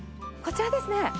こちらですね。